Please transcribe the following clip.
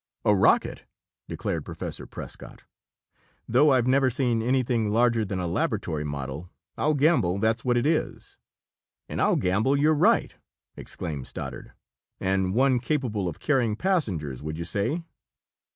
"A rocket!" declared Professor Prescott. "Though I've never seen anything larger than a laboratory model, I'll gamble that's what it is." "And I'll gamble you're right!" exclaimed Stoddard. "And one capable of carrying passengers, would you say?"